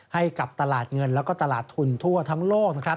ให้กับตลาดเงินแล้วก็ตลาดทุนทั่วทั้งโลกนะครับ